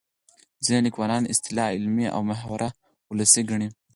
ځینې لیکوالان اصطلاح علمي او محاوره ولسي ګڼي